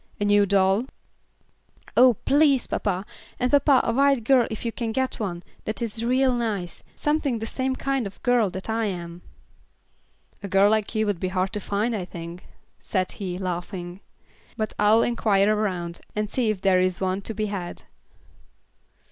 A new doll?" "Oh, please, papa; and papa a white girl if you can get one that is real nice, something the same kind of girl that I am." "A girl like you would be hard to find, I think," said he, laughing, "but I'll inquire around and see if there is one to be had."